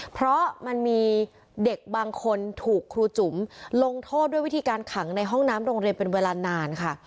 เพราะมันมีเด็กบางคนถูกครูจุ๋มลงโทษด้วยวิธีการขังในห้องน้ำโรงเรียนเป็นเวลานานค่ะ